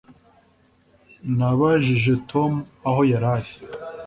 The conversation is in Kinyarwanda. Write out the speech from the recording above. Nabajije Tom aho yari ari